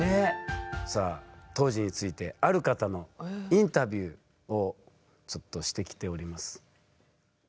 さあ当時についてある方のインタビューをしてきております。